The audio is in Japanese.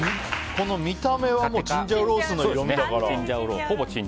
見た目はもうチンジャオロースーの色味だから。